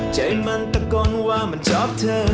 ใจมันตะโกนว่ามันชอบเธอ